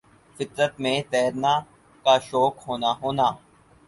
فطر ت میں تیرنا کا شوق ہونا ہونا